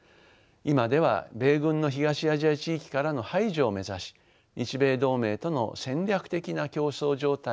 今では米軍の東アジア地域からの排除を目指し日米同盟との戦略的な競争状態に突入しています。